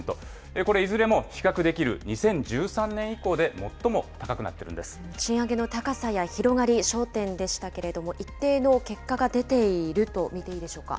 これ、いずれも比較できる２０１３年以降で最も高くなってるんで賃上げの高さや広がり、焦点でしたけれども、一定の結果が出ていると見ていいでしょうか。